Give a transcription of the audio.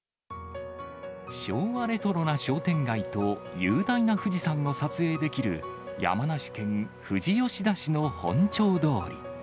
昭和レトロな商店街と、雄大な富士山を撮影できる山梨県富士吉田市の本町通り。